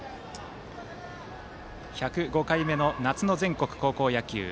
１０５回目の夏の全国高校野球。